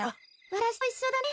私と一緒だね。